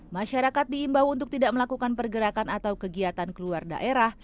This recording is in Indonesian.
masyarakat diimbau untuk tidak melakukan pergerakan atau kegiatan keluar daerah